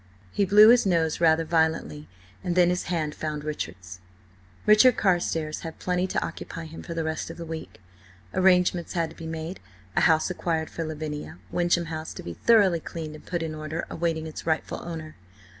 He blew his nose rather violently, and then his hand found Richard's. Richard Carstares had plenty to occupy him for the rest of the week. Arrangements had to be made, a house acquired for Lavinia, Wyncham House to be thoroughly cleaned and put in order, awaiting its rightful owner.